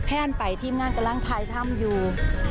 แผ่นไปที่งานกำลังไทยทำอยู่